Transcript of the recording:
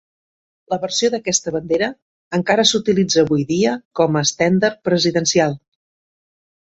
La versió d'aquesta bandera encara s'utilitza avui dia, com a estendard presidencial.